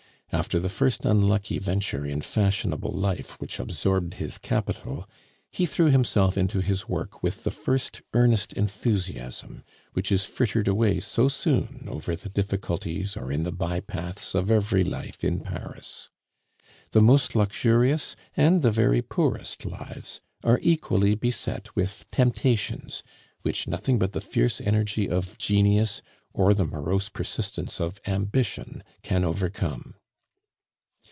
After the first unlucky venture in fashionable life which absorbed his capital, he threw himself into his work with the first earnest enthusiasm, which is frittered away so soon over the difficulties or in the by paths of every life in Paris. The most luxurious and the very poorest lives are equally beset with temptations which nothing but the fierce energy of genius or the morose persistence of ambition can overcome.